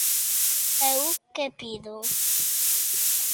¿E eu que pido?